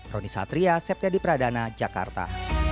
roni satria septya di pradana jakarta